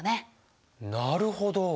なるほど。